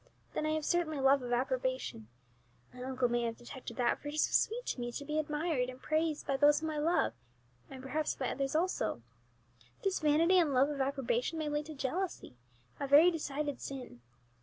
Then I have certainly love of approbation; my uncle may have detected that, for it is so sweet to me to be admired and praised by those whom I love, and perhaps by others also. This vanity and love of approbation may lead to jealousy, a very decided sin.